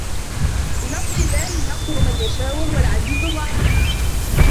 بِنَصرِ اللَّهِ يَنصُرُ مَن يَشاءُ وَهُوَ العَزيزُ الرَّحيمُ